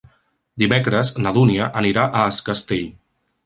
Dimecres na Dúnia anirà a Es Castell.